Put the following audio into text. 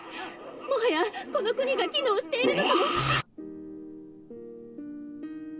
もはやこの国が機能しているのかも。